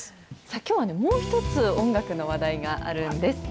きょうはもう一つ、音楽の話題があるんです。